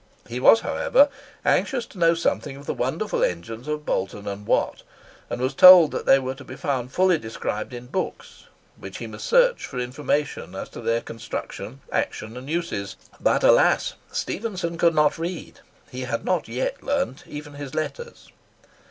He was, however, anxious to know something of the wonderful engines of Boulton and Watt, and was told that they were to be found fully described in books, which he must search for information as to their construction, action and uses. But, alas! Stephenson could not read; he had not yet learnt even his letters.